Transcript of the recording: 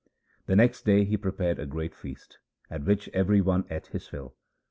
The next day he prepared a great feast, at which every one ate his fill.